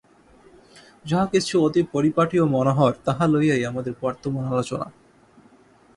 যাহা কিছু অতি পরিপাটি ও মনোহর, তাহা লইয়াই আমাদের বর্তমান আলোচনা।